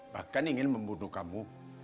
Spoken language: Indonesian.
bahkan ingin membunuh kamu